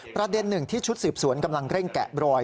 ประเด็นหนึ่งที่ชุดสืบสวนกำลังเร่งแกะบรอย